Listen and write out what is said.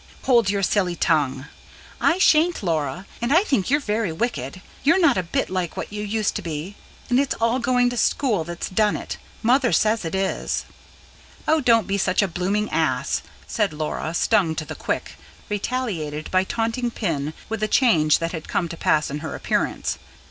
"Hold your silly tongue!" "I shan't, Laura. And I think you're very wicked. You're not a bit like what you used to be. And it's all going to school that's done it Mother says it is." "Oh, don't be such a blooming ass!" and Laura, stung to the quick, retaliated by taunting Pin with the change that had come to pass in her appearance.